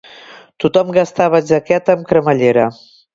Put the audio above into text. Tothom gastava jaqueta amb cremallera